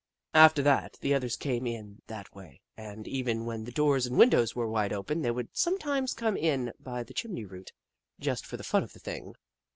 Kitchi Kitchi 95 After that, the others came in that way, and even when the doors and windows were wide open, they would sometimes come in by the chimney route just for the fun of the thing.